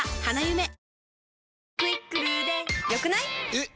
えっ！